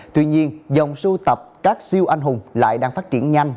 tuy nhiên dòng sưu tập các siêu anh hùng lại đang phát triển nhanh